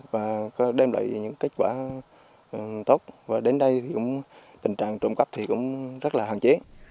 và đem lại những kết quả tốt và đến đây thì cũng tình trạng trộm cắp thì cũng rất là hạn chế